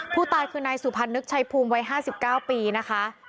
ผู้ตายคือนายสุพรรณนึกชัยภูมิวัย๕๙ปีนะคะ